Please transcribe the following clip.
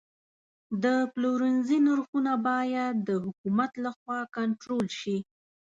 د پلورنځي نرخونه باید د حکومت لخوا کنټرول شي.